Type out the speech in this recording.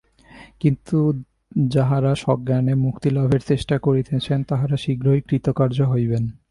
কিন্তু যাঁহারা সজ্ঞানে মুক্তিলাভের চেষ্টা করিতেছেন, তাঁহারা শীঘ্রই কৃতকার্য হইবেন।